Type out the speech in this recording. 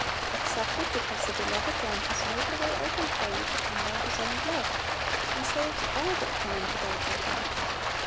Accept ed, because the Beloved One has made the way open for you to come by His own blood, and saves all that come un to God by Him.